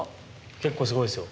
結構すごいですよ。